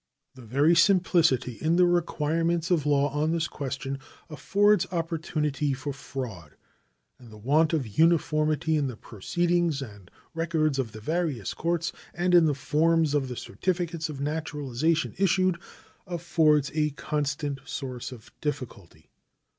The very simplicity in the requirements of law on this question affords opportunity for fraud, and the want of uniformity in the proceedings and records of the various courts and in the forms of the certificates of naturalization issued affords a constant source of difficulty.